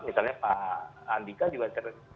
misalnya pak andika diwajar